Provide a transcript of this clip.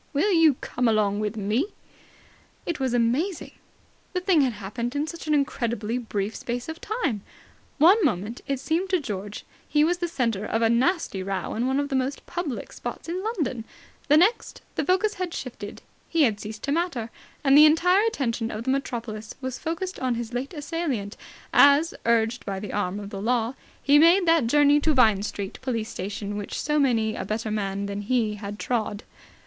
"Will you come along with me!" It was amazing. The thing had happened in such an incredibly brief space of time. One moment, it seemed to George, he was the centre of a nasty row in one of the most public spots in London; the next, the focus had shifted; he had ceased to matter; and the entire attention of the metropolis was focused on his late assailant, as, urged by the arm of the Law, he made that journey to Vine Street Police Station which so many a better man than he had trod.